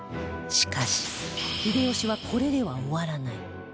しかし秀吉はこれでは終わらない